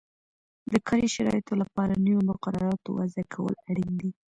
د کاري شرایطو لپاره نویو مقرراتو وضعه کول اړین دي.